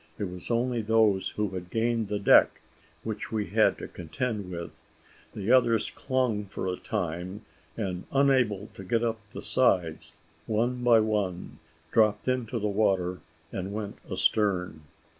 It was only those who had gained the deck which we had to contend with. The others clung for a time, and unable to get up the sides, one by one dropped into the water and went astern.